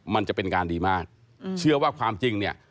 มันจะเป็นการดีมากเชื่อว่าความจริงเนี่ย